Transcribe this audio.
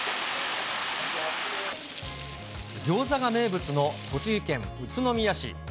ギョーザが名物の栃木県宇都宮市。